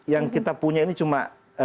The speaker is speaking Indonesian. yang kita punya ini cuma